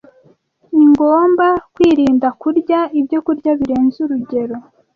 Ni ngomba kwirinda kurya ibyokurya birenze urugero